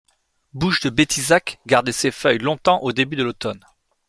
Bouche de Bétizac garde ses feuilles longtemps au début de l'automne.